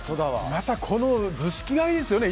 またこの図式がいいですよね。